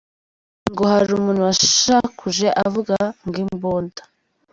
Ngo hari umuntu washakuje avuga ngo "imbunda".